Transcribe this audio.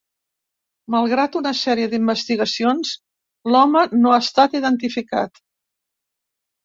Malgrat una sèrie d'investigacions, l'home no ha estat identificat.